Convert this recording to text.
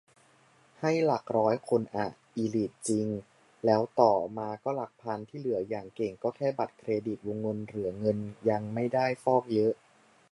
ให้หลักร้อยคนอะ อีลิทจริง แล้วต่อมาก็หลักพัน ที่เหลืออย่างเก่งก็แค่บัตรเครดิตวงเงินหรือเงินยังไม่ได้ฟอกเยอะ